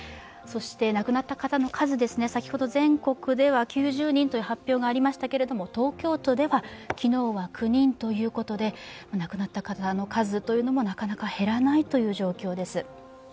そして亡くなった方の数先ほど全国では９０人という発表がありましたけれども東京都では昨日は９人ということで亡くなった方の数もなかなか減らないという状況です。